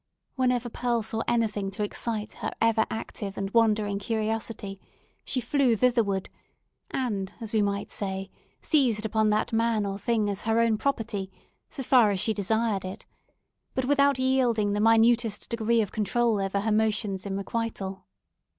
Whenever Pearl saw anything to excite her ever active and wandering curiosity, she flew thitherward, and, as we might say, seized upon that man or thing as her own property, so far as she desired it, but without yielding the minutest degree of control over her motions in requital.